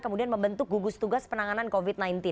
kemudian membentuk gugus tugas penanganan covid sembilan belas